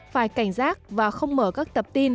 phải cảnh giác và không mở các tập tin